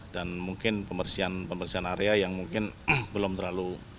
dan mungkin pembersihan area yang mungkin belum terlalu